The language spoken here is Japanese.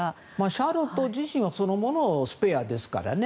シャーロット自身はそのものがスペアですからね。